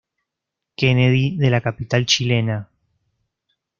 Kennedy de la capital chilena.